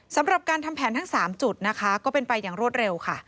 สำหรับการทำแผนทั้ง๓จุดนะคะก็เป็นไปอย่างรวดเร็วค่ะ